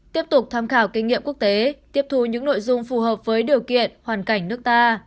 tiếp tục tham khảo kinh nghiệm quốc tế tiếp thu những nội dung phù hợp với điều kiện hoàn cảnh nước ta